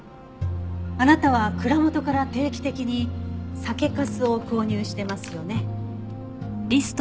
あなたは蔵元から定期的に酒粕を購入してますよね。